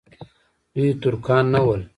دوی ترکان نه ول.